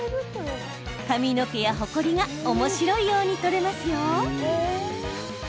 髪の毛や、ほこりがおもしろいように取れますよ。